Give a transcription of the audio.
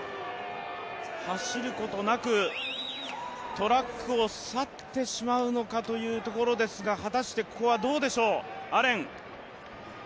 走ることなくトラックを去ってしまうのかというところですが、果たしてここはどうでしょう、アレン。